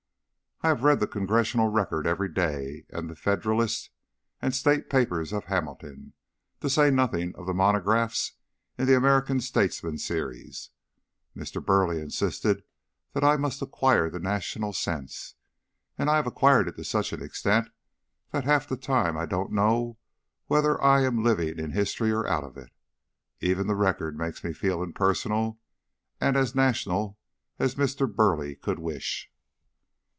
"I have read the Congressional Record every day, and the Federalist and State papers of Hamilton; to say nothing of the monographs in the American Statesmen Series. Mr. Burleigh insisted that I must acquire the national sense, and I have acquired it to such an extent that half the time I don't know whether I am living in history or out of it. Even the Record makes me feel impersonal, and as 'national' as Mr. Burleigh could wish."